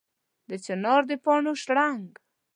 د چنار د پاڼو شرنګ